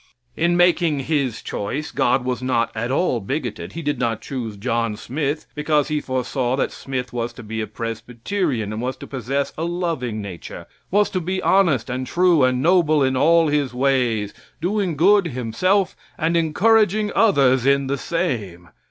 In making His choice, God was not at all bigoted. He did not choose John Smith because He foresaw that Smith was to be a Presbyterian, and was to possess a loving nature, was to be honest and true and noble in all his ways, doing good himself and encouraging others in the same.